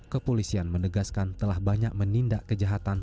kepolisian menegaskan telah banyak menindak kejahatan